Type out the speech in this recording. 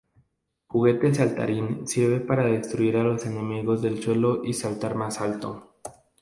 Juguete Saltarín Sirve para destruir a los enemigos del suelo y saltar más alto.